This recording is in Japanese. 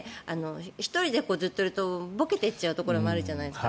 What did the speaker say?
１人でずっといるとぼけていっちゃうところもあるじゃないですか。